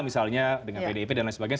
misalnya dengan pdip dan lain sebagainya